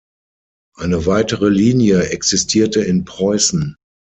Eine weitere Linie existierte in Preußen.